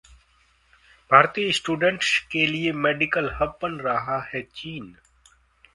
भारतीय स्टूडेंट्स के लिए मेडिकल हब बन रहा है चीन